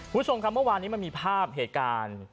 คุณผู้ชมครับเมื่อวานนี้มันมีภาพเหตุการณ์